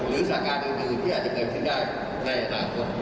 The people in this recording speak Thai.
สาการอื่นที่อาจจะเกิดขึ้นได้ในอนาคต